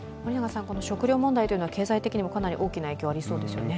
食糧問題というのは経済的にもかなり大きな影響がありそうですよね。